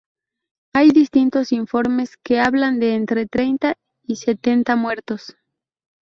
Hay distintos informes que hablan de entre treinta y setenta muertos.